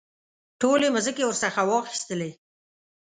ټولې مځکې ورڅخه واخیستلې.